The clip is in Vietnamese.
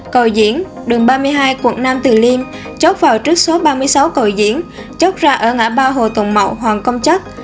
cầu diễn đường ba mươi hai quận nam từ liêm chót vào trước số ba mươi sáu cầu diễn chốt ra ở ngã ba hồ tùng mậu hoàng công chất